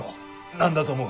何だと思う？